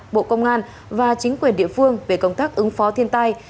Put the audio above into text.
bộ công an và chính quyền địa phương về công tác ứng phó thiên tai